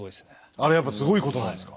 あれやっぱすごいことなんですか？